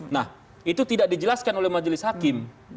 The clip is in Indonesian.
nah itu tidak dijelaskan oleh majelis hakim